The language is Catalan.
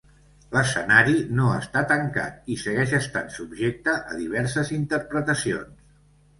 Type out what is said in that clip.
L'escenari no està tancat i segueix estant subjecte a diverses interpretacions.